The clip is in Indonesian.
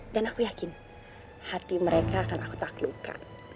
dan aku yakin hati mereka akan aku taklukkan